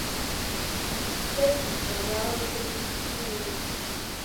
Docents are available to lead tours.